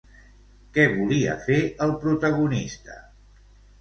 Què volia fer el protagonista?